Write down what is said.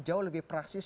jauh lebih praksis